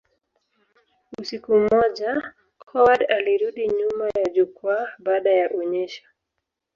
Usiku mmoja, Coward alirudi nyuma ya jukwaa baada ya onyesho.